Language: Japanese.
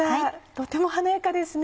とても華やかですね。